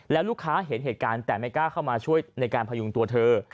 แล้วลูกค้าเห็นเหตุการณ์แต่ไม่กล้าเข้ามาช่วยในการพยุงตัวเธอ